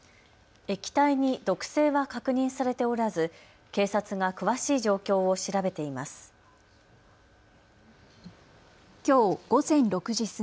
液体に毒性は確認されておらず警察が詳しい状況を調べています。